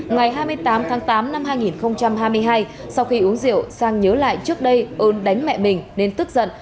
ngày hai mươi tám tháng tám năm hai nghìn hai mươi hai sau khi uống rượu sang nhớ lại trước đây ôn đánh mẹ mình nên tức giận